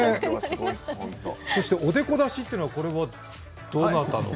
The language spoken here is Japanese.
そして「おデコ出し」というのはどなたの話？